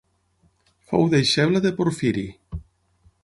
Fou deixeble de Porfiri.